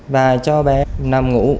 và cho bé nằm ngủ